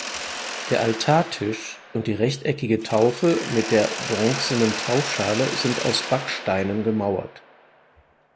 Der Altartisch und die rechteckige Taufe mit der bronzenen Taufschale sind aus Backsteinen gemauert.